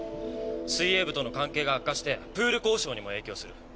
水泳部との関係が悪化してプール交渉にも影響する。